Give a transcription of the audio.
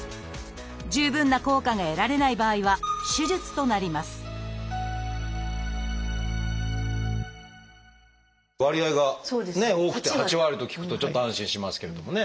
十分な効果が得られない場合は手術となります割合が多くて８割と聞くとちょっと安心しますけれどもね。